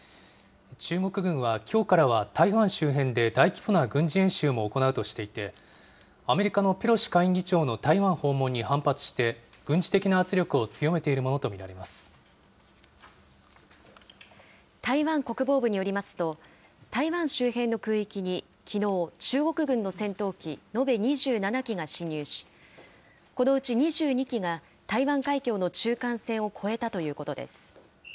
中国軍は、きょうからは台湾周辺で大規模な軍事演習も行うとしていて、アメリカのペロシ下院議長の台湾訪問に反発して、軍事的な圧力を台湾国防部によりますと、台湾周辺の空域に、きのう、中国軍の戦闘機延べ２７機が進入し、このうち２２機が、台湾海峡の中間線を越えたということです。